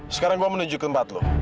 sekarang gue menuju ke tempat lo